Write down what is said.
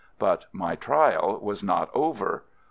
But my trial was not over.